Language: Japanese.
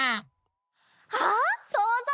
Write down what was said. あっそうぞう！